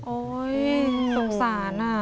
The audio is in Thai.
โอ้ยสงสารอะ